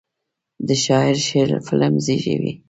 د شاعر شعر قلم زیږوي.